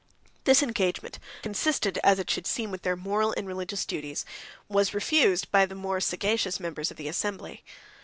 This engagement, consistent, as it should seem, with their moral and religious duties, was refused by the more sagacious members 111 of the assembly.